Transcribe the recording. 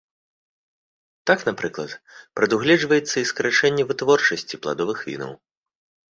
Так, напрыклад, прадугледжваецца і скарачэнне вытворчасці пладовых вінаў.